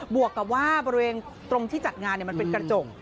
วกกับว่าบริเวณตรงที่จัดงานมันเป็นกระจก